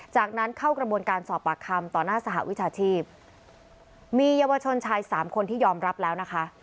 จากนั้นเข้ากระบวนการสอบปากคำต่อหน้าสหวิชาชีพมีเยาวชนชายสามคนที่ยอมรับแล้วนะคะ